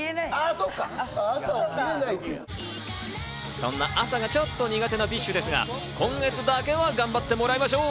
そんな朝がちょっと苦手なＢｉＳＨですが、今月だけは頑張ってもらいましょう。